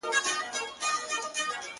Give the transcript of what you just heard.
په استفادې سره هميشه